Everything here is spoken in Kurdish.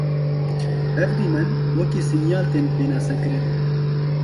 Ev dîmen wekî sînyal tên pênasekirin.